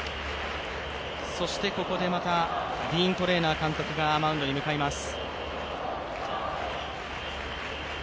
そしてここでまたディーン・トレーナー監督がマウンドに向かいます。